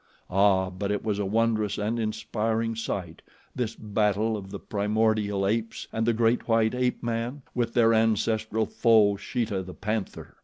Ah! but it was a wondrous and inspiring sight this battle of the primordial apes and the great, white ape man with their ancestral foe, Sheeta, the panther.